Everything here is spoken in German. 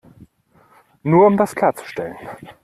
Nur um das klarzustellen.